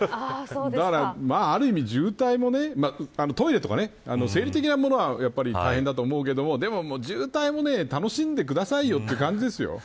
だから、ある意味渋滞もねトイレとか、生理的なものは大変だと思うけどでも渋滞も楽しんでくださいよって感じですよ。